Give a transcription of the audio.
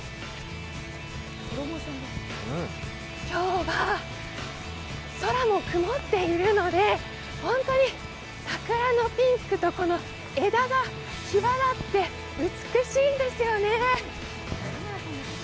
今日は空も曇っているのでホントに桜のピンクと枝が際立って美しいんですよね。